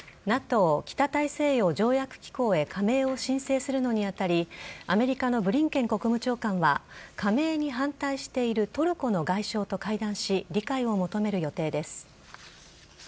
ＮＡＴＯ＝北大西洋条約機構へ加盟を申請するのに当たりアメリカのブリンケン国務長官は加盟に反対しているトルコの外相と会談し理解を求める予定です。